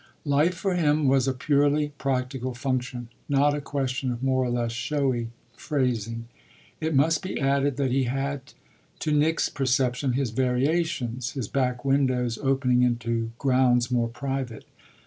Life, for him, was a purely practical function, not a question of more or less showy phrasing. It must be added that he had to Nick's perception his variations his back windows opening into grounds more private.